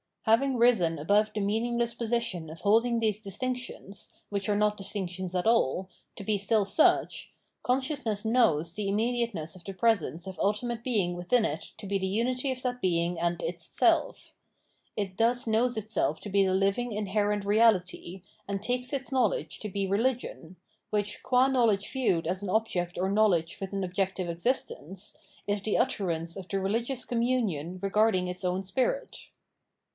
Having risen above the meaningless position of holding these distinctions, which are not distinctions at all, to be s till such, consciousness knows the immediateness of 666 Phenomenology of Mind the presence of ultimate Being within it to be the unity of that Being and its self : it thus knows itself to be the living inherent reality, and takes its knowledge to be Religion, which, qua Imowedge viewed as an object or knowledge with an objective existence, is the utter ance of the religious communion regarding its own spirit.